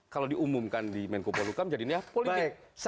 kalau diumumkan di menkubal hukum jadi nih politik